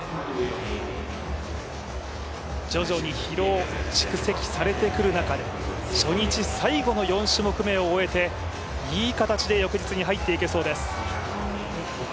徐々に疲労が蓄積されてくる中で、初日最後の４種目めを終えていい形で翌日に入っていけそうです。